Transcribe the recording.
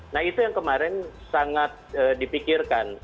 nah itu yang kemarin sangat dipikirkan